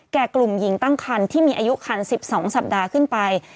แก่กลุ่มหญิงตั้งคันที่มีอายุคัน๑๒สัปดาห์ขึ้นไป